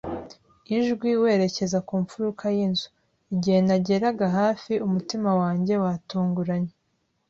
ijwi, werekeza ku mfuruka y'inzu. Igihe nageraga hafi, umutima wanjye watunguranye